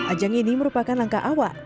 ajang ini merupakan langkah awal